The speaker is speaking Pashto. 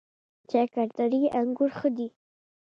شکردرې انګور ښه دي؟